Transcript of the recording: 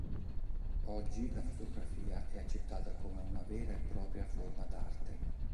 Oggi la fotografia è accettata come una vera e propria forma d'arte.